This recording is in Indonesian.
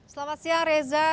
selamat siang reza